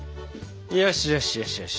よしよしよしよし。